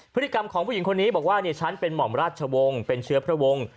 พฤติกรรมของผู้หญิงคนนี้บอกว่าฉันเป็นหม่อมราชวงศ์เป็นเชื้อพระวงศ์